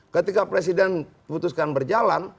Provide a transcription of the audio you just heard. ketika presiden putuskan berjalan